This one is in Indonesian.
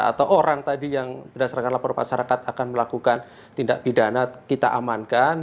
atau orang tadi yang berdasarkan laporan masyarakat akan melakukan tindak pidana kita amankan